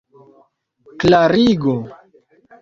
klarigo